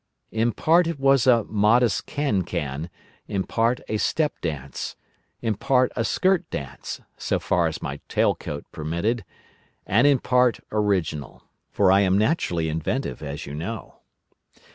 In part it was a modest cancan, in part a step dance, in part a skirt dance (so far as my tail coat permitted), and in part original. For I am naturally inventive, as you know.